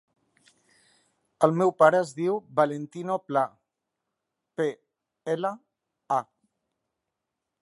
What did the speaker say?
El meu pare es diu Valentino Pla: pe, ela, a.